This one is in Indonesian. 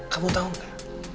kamu tahu gak